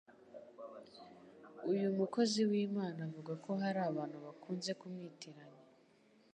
Uyu mukozi w'Imana avuga ko hari abantu bakunze kumwitiranya